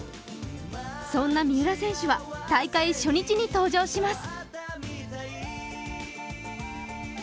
そんな三浦選手は大会初日に登場します。